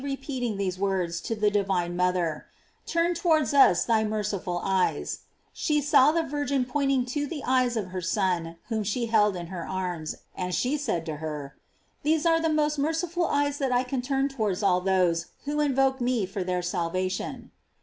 249 peating these words to the divine mother: Turn towards us thy merciful eyes," she saw the Vir gin pointing to the eyes of her Son whom she held in her arms, and she said to her; "These are the most merciful eyes that I can turn tow ards all those who invoke me for their salva tion."